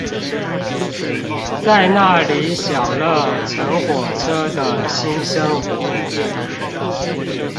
在那裡享樂乘火車的新生活